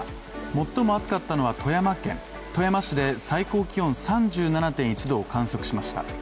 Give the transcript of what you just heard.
最も暑かったのは富山県富山市で最高気温３７．１度を観測しました。